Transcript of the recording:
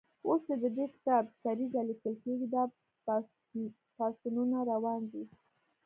اوس چې د دې کتاب سریزه لیکل کېږي، دا پاڅونونه روان دي.